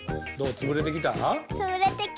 つぶれてきた。